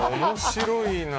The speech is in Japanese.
面白いな。